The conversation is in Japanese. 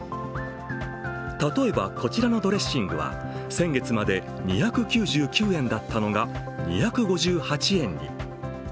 例えば、こちらのドレッシングは先月まで２９９円だったのが２５８円に。